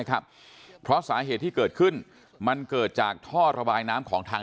ครับเพราะสาเหตุที่เกิดขึ้นมันเกิดจากท่อระบายน้ำของทาง